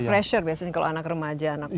dia pressure biasanya kalau anak remaja anaknya ya